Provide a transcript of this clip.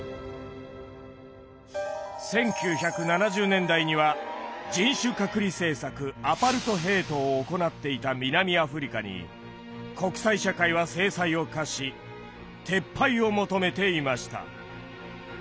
１９７０年代には人種隔離政策アパルトヘイトを行っていた南アフリカに国際社会は制裁を科し撤廃を求めていました。